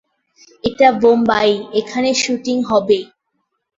এটা বোম্বাই, এখানে শুটিং হবেই।